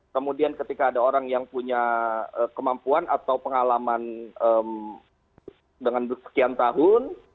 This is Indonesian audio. kemudian ketika ada orang yang punya kemampuan atau pengalaman dengan sekian tahun